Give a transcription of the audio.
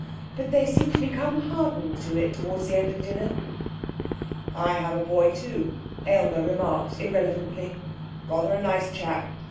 But they seemed to become hardened to it towards the end of dinner.... 'I have a boy, too,' Aylmer remarked irrelevantly, 'rather a nice chap.